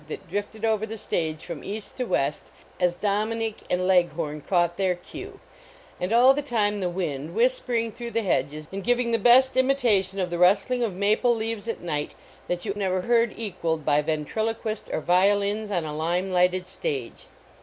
it drifted over the stage from east to west, as Dominique and Leghorn caught their cue; and all the time the wind, whispering through the hedges and giving the best imitation of the rustling of maple leaves at night that you never heard equaled by ventriloquist or vio lins on a lime lighted stage.